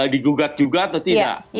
digugat juga atau tidak